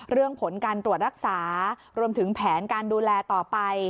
ผลการตรวจรักษารวมถึงแผนการดูแลต่อไป